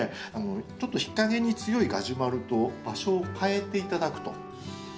ちょっと日陰に強いガジュマルと場所を換えて頂くと。